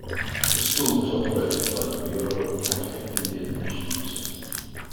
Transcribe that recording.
The school was operated by the Bureau of Catholic Indian Missions.